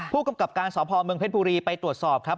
ผู้กำกับการสพเมืองเพชรบุรีไปตรวจสอบครับ